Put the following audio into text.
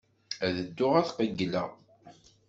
Ad dduɣ ad qeyyleɣ.